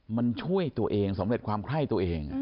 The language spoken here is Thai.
มันช่วยตัวเองสำเร็จความไข้ตัวเอง